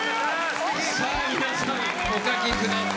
ステキさあ皆さんお書きください